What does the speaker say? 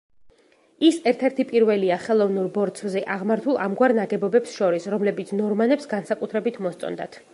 ის ერთ-ერთი პირველია ხელოვნურ ბორცვზე აღმართულ ამგვარ ნაგებობებს შორის, რომლებიც ნორმანებს განსაკუთრებით მოსწონდათ.